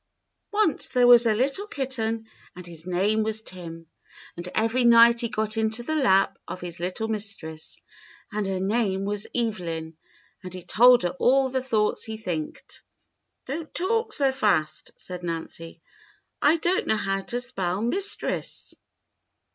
"Once there was a little kitten and his name was Tim. And every night he got into the lap of his little mistress, and her name was Evelyn, and he told her all the thoughts he thinked." "Don't talk so fast," said Nancy. "I don't know how to spell * mistress.'"